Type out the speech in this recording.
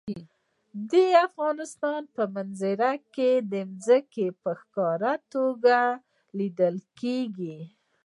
د افغانستان په منظره کې ځمکه په ښکاره توګه لیدل کېږي.